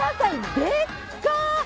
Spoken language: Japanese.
でっかー。